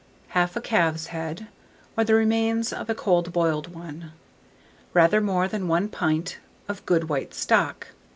Half a calf's head, or the remains of a cold boiled one; rather more than 1 pint of good white stock, No.